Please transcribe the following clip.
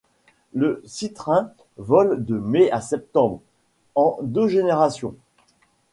Le Citrin vole de mai à septembre, en deux générations.